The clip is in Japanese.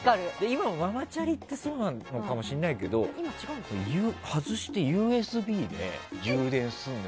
今もママチャリってそうかもしれないけど外して、ＵＳＢで充電するの。